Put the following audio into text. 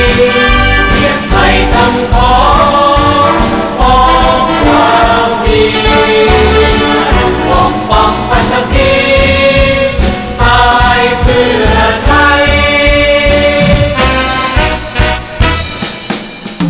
เสียงไทยทำพร้อมพร้อมกล้าวดี